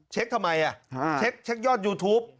เช็คทำไมอ่ะเช็คยอดยูทูป